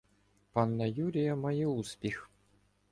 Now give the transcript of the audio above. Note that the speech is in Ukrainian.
"Панна Юрія" має успіх